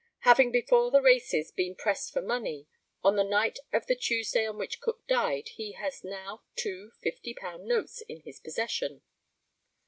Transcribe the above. Having before the races been pressed for money, on the night of the Tuesday on which Cook died he has two £50 notes in his possession.